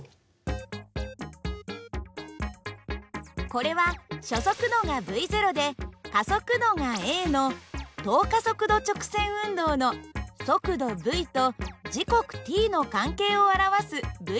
これは初速度がυで加速度がａの等加速度直線運動の速度υと時刻ｔの関係を表すυ−